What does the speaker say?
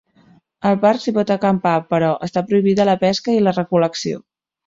Al parc s'hi pot acampar, però està prohibida la pesca i la recol·lecció.